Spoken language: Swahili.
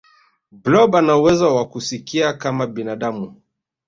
blob anauwezo wa kusikia kama binadamu